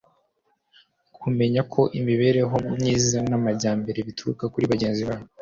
kumenya ko imibereho myiza n'amajyambere bituruka kuri bagenzi bawe